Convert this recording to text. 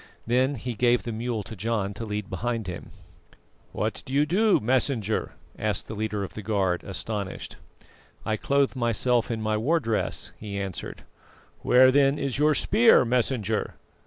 Then he gave the mule to John to lead behind him. "What do you, Messenger?" asked the leader of the guard, astonished. "I clothe myself in my war dress," he answered. "Where then is your spear, Messenger?"